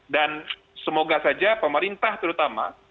dan semoga saja pemerintah terutama